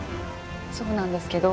そうなんですけど。